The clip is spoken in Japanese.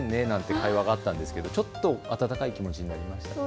会話もあったんですけどちょっと温かい気持ちになりました。